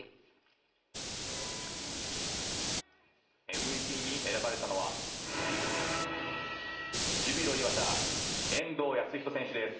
ＭＶＰに選ばれたのは、ジュビロ磐田、遠藤保仁選手です。